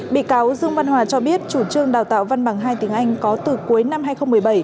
bị cáo dương văn hòa cho biết chủ trương đào tạo văn bằng hai tiếng anh có từ cuối năm hai nghìn một mươi bảy